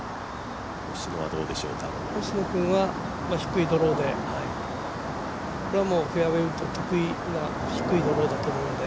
星野君は低いドローで、これはフェアウエーウッド得意なドローだと思うんで。